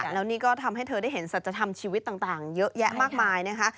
แล้วนี่ก็ทำให้เธอได้เห็นสัจธรรมชีวิตต่างเยอะแยะมากมายนะคะ